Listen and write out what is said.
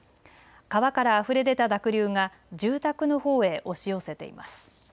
川からあふれでた濁流が住宅のほうへ押し寄せています。